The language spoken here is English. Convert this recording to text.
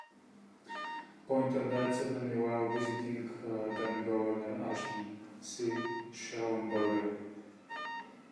Poynter died suddenly while visiting then Governor Ashton C. Shallenberger.